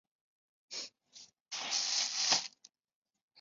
大急流城是一个位于美国明尼苏达州伊塔斯加县的都市。